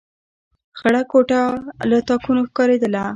خړه کوټه له تاکونو ښکارېدله.